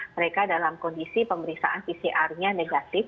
mereka dalam kondisi pemeriksaan pcr nya negatif